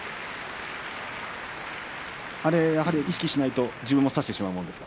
あれは意識しないと自分も差してしまうものですか。